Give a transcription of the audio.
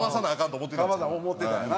思ってたんやな